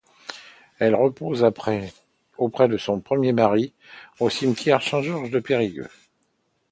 Elle repose auprès de son premier mari au cimetière Saint-Georges de Périgueux.